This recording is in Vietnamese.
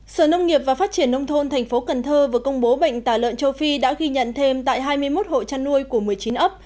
sở nông nghiệp và phát triển nông thôn thành phố cần thơ vừa công bố bệnh tả lợn châu phi đã ghi nhận thêm tại hai mươi một hộ chăn nuôi của một mươi chín ấp